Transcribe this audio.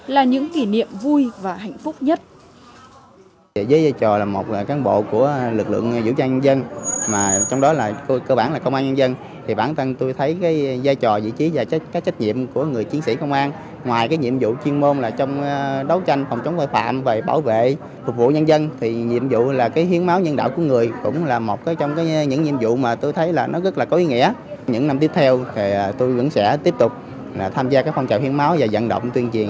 là những kỷ niệm vui và hạnh phúc nhất